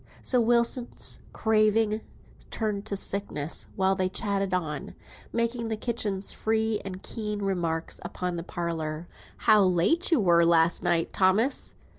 So Wilson's craving turned to sickness, while they chattered on, making the kitchen's free and keen remarks upon the parlour. "How late you were last night, Thomas!"